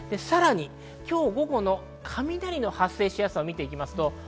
今日、午後の雷の発生しやすさを見ていきます。